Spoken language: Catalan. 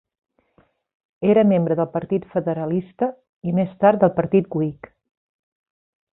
Era membre del partit federalista i més tard el partit Whig.